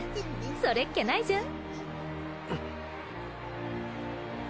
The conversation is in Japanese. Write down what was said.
それっきゃないじゃん？